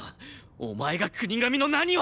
お前が國神の何を！